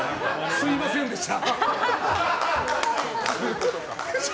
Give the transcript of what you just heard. すみませんでした。